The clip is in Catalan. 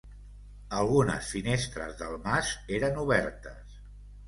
Algunes finestres del mas eren obertes.